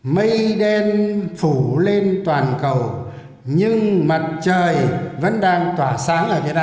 mây đen phủ lên toàn cầu nhưng mặt trời vẫn đang tỏa sáng ở việt nam